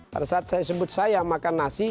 pada saat saya sebut saya makan nasi